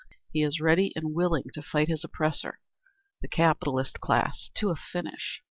He is ready and willing to fight his oppressor, the capitalist class, to a finish.